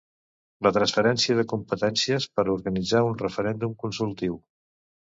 La transferència de competències per organitzar un referèndum consultiu